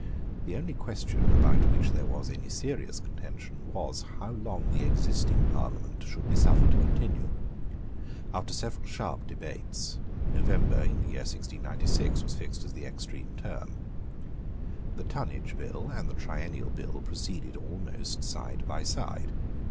The only question about which there was any serious contention was, how long the existing Parliament should be suffered to continue. After several sharp debates November in the year 1696 was fixed as the extreme term. The Tonnage Bill and the Triennial Bill proceeded almost side by side.